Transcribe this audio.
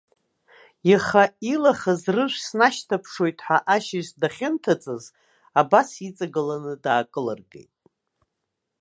Иаха илахаз рыжә снашьҭаԥшуеит ҳәа ашьыжь дахьынҭыҵыз, абас иҵагыланы даакылыргеит.